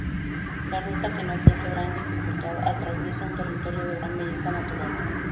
La ruta, que no ofrece gran dificultad, atraviesa un territorio de gran belleza natural.